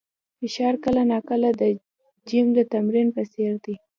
فشار کله ناکله د جیم د تمرین په څېر دی.